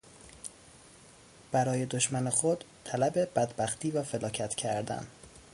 برای دشمن خود طلب بدبختی و فلاکت کردن